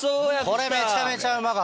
これめちゃめちゃうまかった。